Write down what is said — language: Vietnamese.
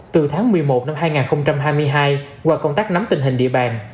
từ tháng một mươi một năm hai nghìn hai mươi hai qua công tác nắm tình hình địa bàn